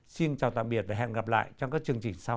xin chào tạm biệt và hẹn gặp lại trong các chương trình sau